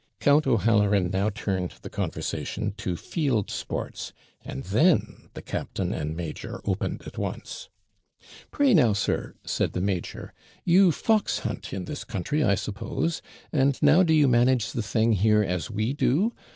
Count O'Halloran now turned the conversation to field sports, and then the captain and major opened at once. 'Pray now, sir?' said the major, 'you fox hunt in this country, I suppose; and now do you manage the thing here as we do?